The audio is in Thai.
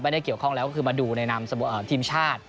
ไม่ได้เกี่ยวข้องแล้วก็คือมาดูในนามทีมชาติ